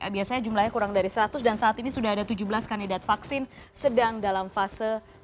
biasanya jumlahnya kurang dari seratus dan saat ini sudah ada tujuh belas kandidat vaksin sedang dalam fase dua